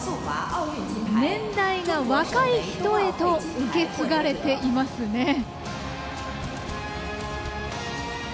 年代が若い人へと受け継がれていますね。